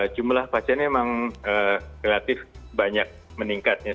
jumlah vaksinnya memang relatif banyak meningkatnya